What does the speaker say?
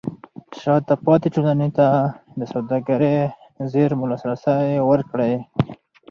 شاته پاتې ټولنې ته د سوداګرۍ زېرمو لاسرسی ورکړئ.